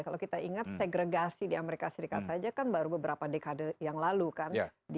kalau kita ingat segregasi di amerika serikat saja kan baru beberapa dekade yang lalu kan